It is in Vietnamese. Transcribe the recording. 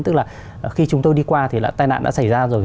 tức là khi chúng tôi đi qua thì là tai nạn đã xảy ra rồi